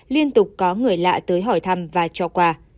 liên tục có người lạ tới hỏi thăm và cho quà